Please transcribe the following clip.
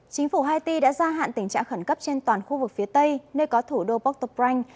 chính phủ haiti đã gia hạn tình trạng khẩn cấp trên toàn khu vực phía tây nơi có thủ đô port au prince